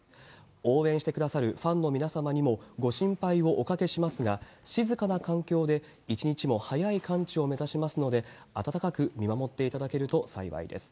応援してくださるファンの皆様にもご心配をおかけしますが、静かな環境で一日も早い完治を目指しますので、温かく見守っていただけると幸いです。